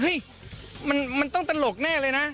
มันต้องตลกแน่เลยนะ